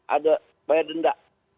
ada bayar denda